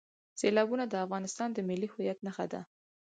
سیلابونه د افغانستان د ملي هویت نښه ده.